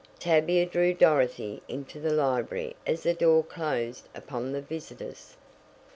Tavia drew Dorothy into the library as the door closed upon the visitors.